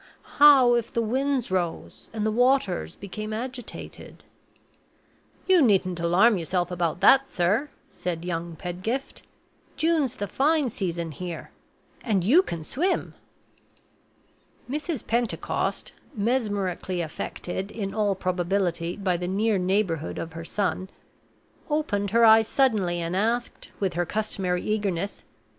How if the winds rose and the waters became agitated?" "You needn't alarm yourself about that, sir," said young Pedgift; "June's the fine season here and you can swim." Mrs. Pentecost (mesmerically affected, in all probability, by the near neighborhood of her son) opened her eyes suddenly and asked, with her customary eagerness.